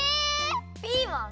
ピーマン？